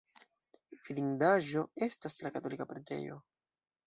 Vidindaĵo estas la katolika preĝejo.